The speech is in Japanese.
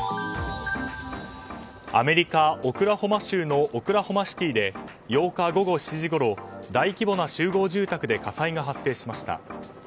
アメリカ・オクラホマ州のオクラホマシティーで８日午後７時ごろ大規模な集合住宅で火災が発生しました。